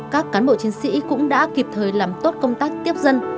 các cán bộ chiến sĩ cũng đã kịp thời làm tốt công tác tiếp dân